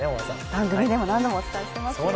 番組でも何度もお伝えしてますよ。